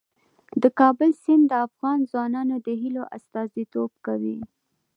د کابل سیند د افغان ځوانانو د هیلو استازیتوب کوي.